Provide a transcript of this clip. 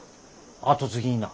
後継ぎにな？